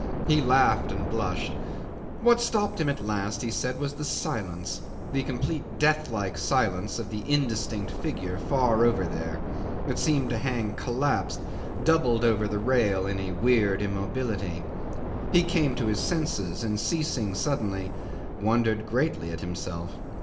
He laughed and blushed. What stopped him at last, he said, was the silence, the complete deathlike silence, of the indistinct figure far over there, that seemed to hang collapsed, doubled over the rail in a weird immobility. He came to his senses, and ceasing suddenly, wondered greatly at himself.